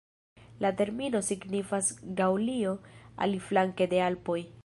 La termino signifas "Gaŭlio aliflanke de Alpoj".